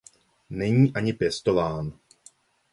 Není ani pěstován.